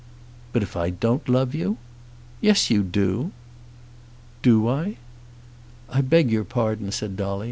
"But if I don't love you?" "Yes, you do!" "Do I?" "I beg your pardon," said Dolly.